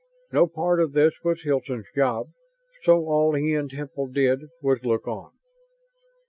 No part of this was Hilton's job; so all he and Temple did was look on.